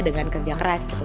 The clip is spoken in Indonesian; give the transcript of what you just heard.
dengan kerja keras gitu